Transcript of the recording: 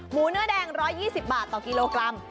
เนื้อแดง๑๒๐บาทต่อกิโลกรัม